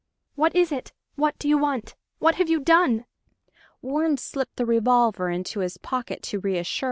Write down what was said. "What is it? What do you want? What have you done?" Warren slipped the revolver into his pocket to reassure her.